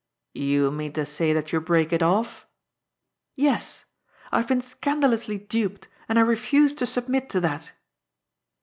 " You mean to say that you break it off?" " Yes. I have been scandalously duped, and I refuse to submit to that."